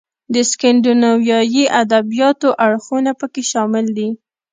د سکینډینیویايي ادبیاتو اړخونه پکې شامل دي.